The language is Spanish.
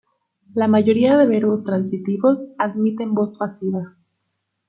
La mayoría de verbos transitivos admiten voz pasiva.